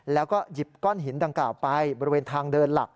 แล้วก็หยิบก้อนหินดังกล่าวไปบริเวณทางเดินหลัก